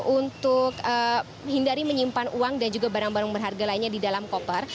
untuk hindari menyimpan uang dan juga barang barang berharga lainnya di dalam koper